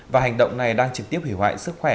và hành động này đang trực tiếp hủy hoại sức khỏe